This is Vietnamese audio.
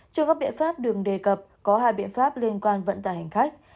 trong các biện pháp đường đề cập có hai biện pháp liên quan vận tải hành khách